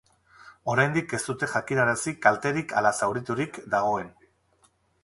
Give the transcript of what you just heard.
Oraindik ez dute jakinarazi kalterik ala zauriturik dagoen.